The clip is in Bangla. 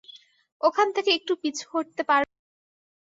ওখান থেকে একটু পিছু হটতে পারবেন?